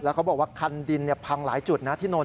เขาบอกว่าคันดินพังหลายจุดนะที่นอน